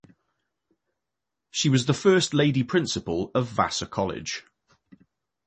She was the first Lady Principal of Vassar College.